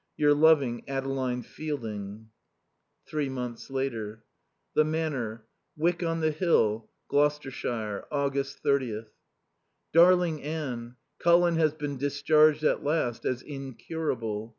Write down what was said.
Your loving Adeline Fielding. Three months later. The Manor, Wyck on the Hill, Gloucestershire. August 30th. Darling Anne, Colin has been discharged at last as incurable.